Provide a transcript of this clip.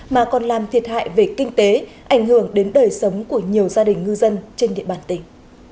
mà còn làm thiệt hại về kinh tế ảnh hưởng đến đời sống của nhiều gia đình ngư dân trên địa bàn tỉnh